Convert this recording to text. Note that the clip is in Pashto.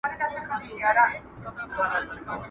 په ځنگله کي چي دي هره ورځ غړومبی سي.